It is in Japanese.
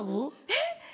えっ？